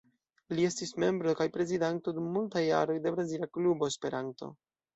Li estis membro kaj prezidanto, dum multaj jaroj, de Brazila Klubo Esperanto.